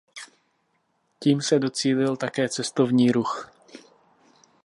Tím se docílil také cestovní ruch.